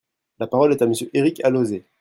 La parole est à Monsieur Éric Alauzet.